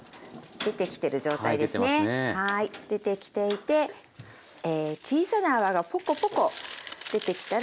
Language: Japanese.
出てきていて小さな泡がポコポコ出てきたら。